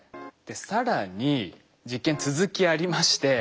更に実験続きありまして。